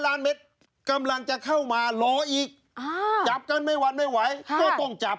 ล้านเม็ดกำลังจะเข้ามารออีกจับกันไม่วันไม่ไหวก็ต้องจับ